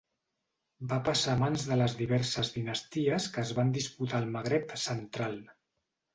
Va passar a mans de les diverses dinasties que es van disputar el Magreb central.